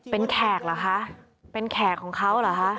เป็นแขกเหรอคะเป็นแขกของเขาเหรอคะ